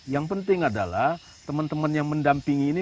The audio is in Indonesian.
yang penting adalah teman teman yang mendampingi ini